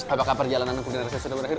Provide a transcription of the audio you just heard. apa kabar jalanan aku di resesi terakhir